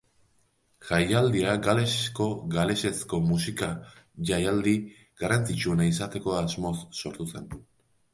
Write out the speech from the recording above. Jaialdia Galesko galesezko musika jaialdi garrantzitsuena izateko asmoz sortu zen.